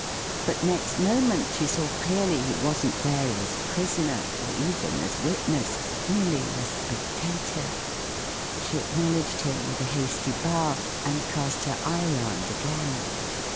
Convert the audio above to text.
But next moment she saw clearly he wasn't there as prisoner, or even as witness; merely as spectator. She acknow¬ ledged him w F ith a hasty bow, and cast her eye round again.